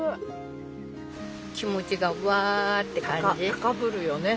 高ぶるよね？